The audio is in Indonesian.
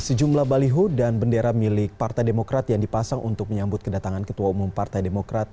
sejumlah baliho dan bendera milik partai demokrat yang dipasang untuk menyambut kedatangan ketua umum partai demokrat